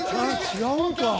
違うんか］